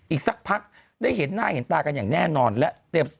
อีกสักพักได้เห็นหน้าเห็นตากันอย่างแน่นอนและเตรียม